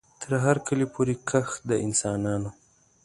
تر هر کلي پوري کښ د انسانانو